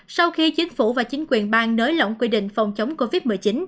sau khi chính phủ và chính quyền bang nới lỏng quy định phòng chống covid một mươi chín